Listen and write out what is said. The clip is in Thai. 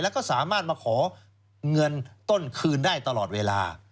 แล้วก็สามารถมาขอเงินต้นคืนได้ตลอดเวลา